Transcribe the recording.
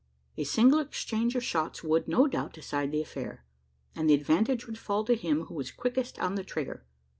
A single exchange of shots would, no doubt decide the affair; and the advantage would fall to him who was "quickest on the trigger."